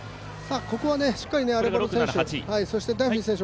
ここはしっかりアレバロ選手